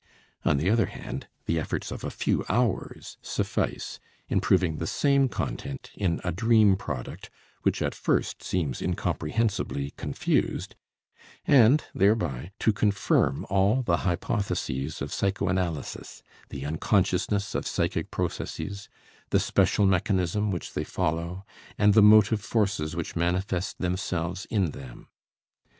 On the other hand, the efforts of a few hours suffice in proving the same content in a dream product which at first seems incomprehensibly confused, and thereby to confirm all the hypotheses of psychoanalysis, the unconsciousness of psychic processes, the special mechanism which they follow, and the motive forces which manifest themselves in them.